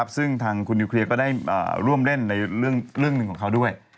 ซึ่งทางคุณนิวเคลียร์ก็ได้ร่วมเล่นในเรื่องหนึ่งของเขาด้วย